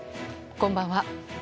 こんばんは。